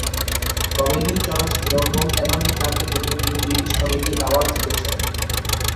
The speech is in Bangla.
কমেডি চলচ্চিত্র হোম অ্যালোন-এ কাজের জন্য তিনি ব্রিটিশ কমেডি অ্যাওয়ার্ড জিতেছেন।